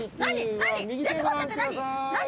何？